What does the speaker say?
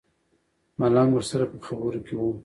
ملنګ ورسره په خبرو کې و.